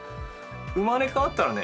生まれ変わったらね